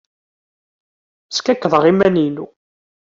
Skakkḍeɣ iman-inu.